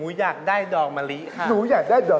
คุณสาวน้ำแก้วสมุงสมุกก้อน